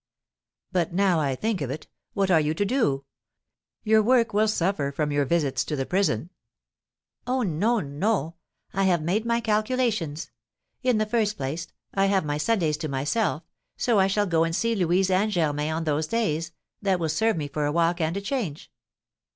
"But, now I think of it, what are you to do? Your work will suffer from your visits to the prison." "Oh, no, no; I have made my calculations. In the first place, I have my Sundays to myself, so I shall go and see Louise and Germain on those days; that will serve me for a walk and a change.